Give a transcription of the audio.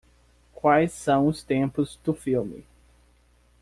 Quais são os tempos do filme?